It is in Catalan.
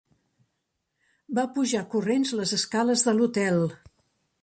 Va pujar corrents les escales de l'hotel.